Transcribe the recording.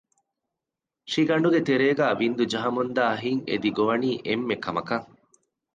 ށިގަނޑުގެ ތެރޭގައި ވިންދު ޖަހަމުން ދާ ހިތް އެދި ގޮވަނީ އެންމެ ކަމަކަށް